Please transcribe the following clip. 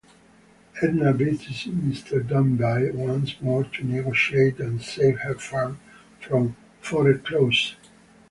Edna visits Mr. Denby once more to negotiate and save her farm from foreclosure.